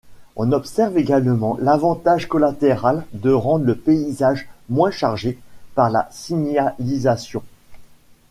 On observe également l'avantage collatéral de rendre le paysage moins chargé par la signalisation.